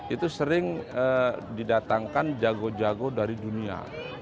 itu sering didatangkan jago jago dari dunia